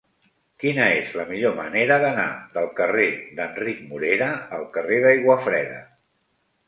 Quina és la millor manera d'anar del carrer d'Enric Morera al carrer d'Aiguafreda?